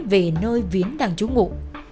về nơi viễn đang trú ngụ